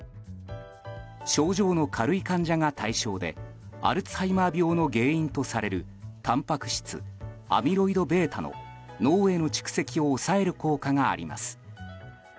症状の軽い患者が対象でアルツハイマー病の原因とされるたんぱく質アミロイドβの脳への蓄積を抑える効果があります。